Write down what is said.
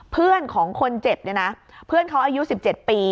เพื่อนของคนเจ็บเพื่อนเขาอายุ๑๗ปี